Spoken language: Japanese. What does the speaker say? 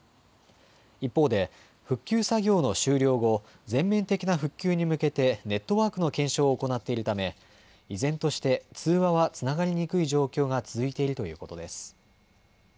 一方で復旧作業の終了後、全面的な復旧に向けてネットワークの検証を行っているため依然として通話はつながりにくい状況が続いているということです。